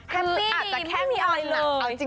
แฮปปี้ไม่มีอะไรเลย